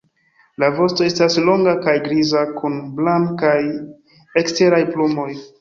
La vosto estas longa kaj griza kun blankaj eksteraj plumoj.